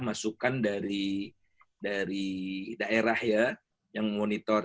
masukan dari daerah ya yang memonitor